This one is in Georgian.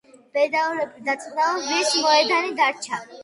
ბედაურები დაწყდაო, ვირს მოედანი დარჩა